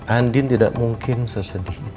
andin tidak mungkin sesedih